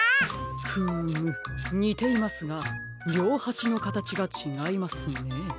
フームにていますがりょうはしのかたちがちがいますね。